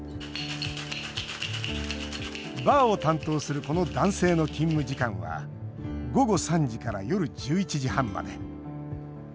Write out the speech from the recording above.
バーを担当するこの男性の勤務時間は午後３時から夜１１時半まで。